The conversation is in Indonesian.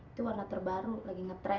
itu warna terbaru lagi ngetrend